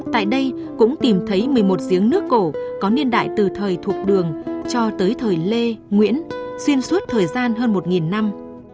tại đây cũng tìm thấy một mươi một giếng nước cổ có niên đại từ thời thục đường cho tới thời lê nguyễn xuyên suốt thời gian hơn một năm